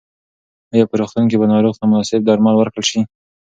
ایا په روغتون کې به ناروغ ته مناسب درمل ورکړل شي؟